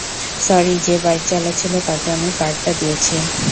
Sorry যে bike চালাচ্ছিল তাকে আমি কার্ডটা দিয়েছি।